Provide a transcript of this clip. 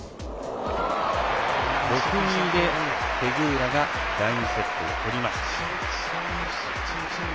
６−２でペグーラが第２セットを取りました。